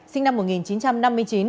sinh năm một nghìn chín trăm năm mươi chín